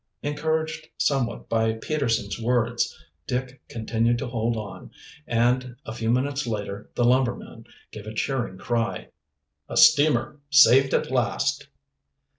Encouraged somewhat by Peterson's words Dick continued to hold on, and a few minutes later the lumberman gave a cheering cry: "A steamer! Saved at last!"